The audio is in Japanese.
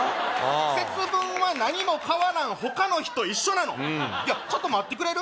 節分は何も変わらん他の日と一緒なのいやちょっと待ってくれる？